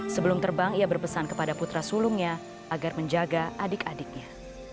sebelum terbang ia berpesan kepada putra sulungnya agar menjaga adik adiknya